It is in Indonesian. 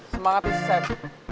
semangat nih sam